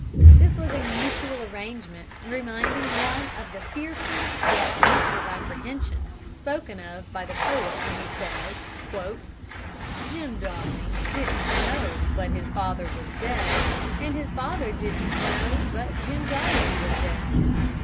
This was a mutual arrangement reminding one of the fearful yet mutual apprehension spoken of by the poet when he says, "Jim Darling didn't know but his father was dead, And his father didn't know but Jim Darling was dead."